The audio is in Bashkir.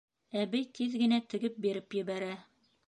Әбей тиҙ генә тегеп биреп ебәрә.